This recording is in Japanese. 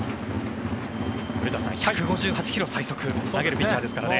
古田さん、１５８ｋｍ最速投げるピッチャーですからね。